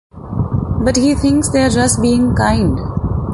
But he thinks they are just being kind.